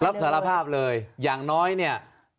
รับสารภาพเลยอย่างน้อยเนี่ย